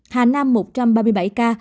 hà nam một trăm ba mươi bảy ca